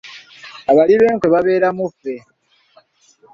Abali b'enkwe babeera mu ffe.